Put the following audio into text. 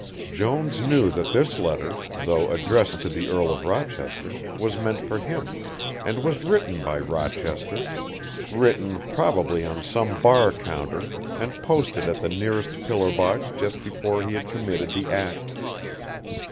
Jones knew that this letter, though addressed to the Earl of Rochester, was meant for him, and was written by Rochester, written probably on some bar counter, and posted at the nearest pillar box just before he had committed the act.